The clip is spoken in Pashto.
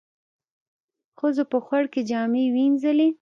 ښځو په خوړ کې جامې وينځلې.